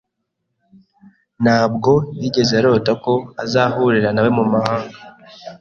Ntabwo yigeze arota ko azahurira nawe mumahanga.